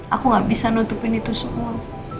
aku gak bisa nutupin itu semua